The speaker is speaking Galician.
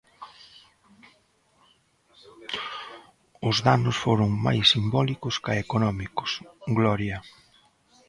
Os danos foron máis simbólicos ca económicos, Gloria...